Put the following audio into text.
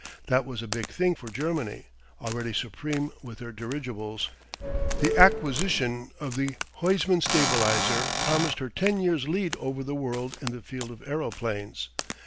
That was a big thing for Germany; already supreme with her dirigibles, the acquisition of the Huysman stabilizator promised her ten years' lead over the world in the field of aeroplanes....